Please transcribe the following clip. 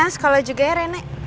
sekolah juga ya renek